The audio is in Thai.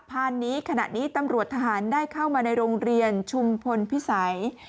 พานนี้ขณะนี้ตำรวจทหารได้เข้ามาในโรงเรียนชุมพลพิสัย